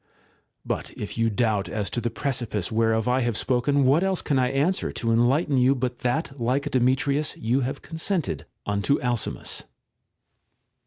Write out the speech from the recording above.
\ But if you doubt as to the precipice whereof I have spoken, what else can I answer to enlighten you but that like Demetrius you have consented unto Alcimus